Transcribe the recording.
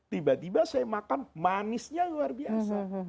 tiba tiba saya makan manisnya luar biasa